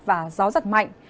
và gió giật mạnh